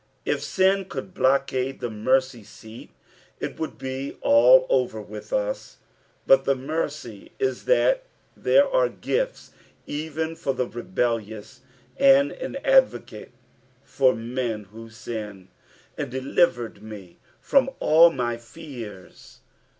If sin could blockade the mercy seat it would be all over with us, but the mercy is that there are gifts even for the rebellious, and an advocate for men who siu. "And dditwvd me from all my feart."